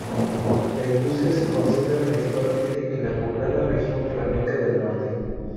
La industria se concentra principalmente en la poblada región flamenca del norte.